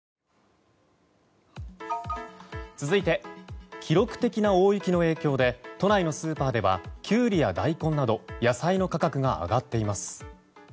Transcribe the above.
続いて記録的な大雪の影響で都内のスーパーではキュウリや大根など野菜の価格が上がっています。